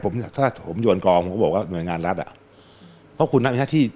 ผมอยากถ้าผมโยนกองเขาบอกว่าหน่วยงานรัฐอ่ะเพราะคุณน่ะมีหน้าที่